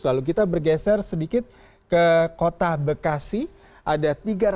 lalu kita bergeser sedikit ke kota bekasi ada tiga ratus